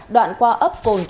đoạn qua ấp cồn cầu